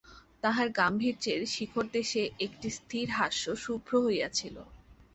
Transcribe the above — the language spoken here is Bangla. তাঁহার গাম্ভীর্যের শিখরদেশে একটি স্থির হাস্য শুভ্র হইয়া ছিল।